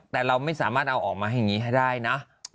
แต่เราไม่สามารถเอาออกมาอย่างนี้ให้ได้นะ